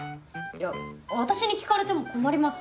いや私に聞かれても困ります。